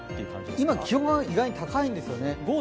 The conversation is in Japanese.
今気温が意外に高いんですよね。